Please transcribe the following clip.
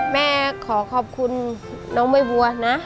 แม่ขอขอบคุณน้องใบบัวนะ